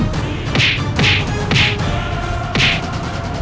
aku akan menang